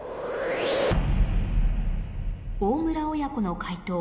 大村親子の解答